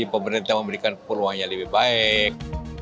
pemerintah memberikan peluang yang lebih baik